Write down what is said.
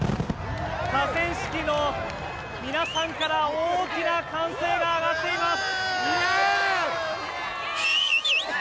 河川敷の皆さんから大きな歓声が上がっています！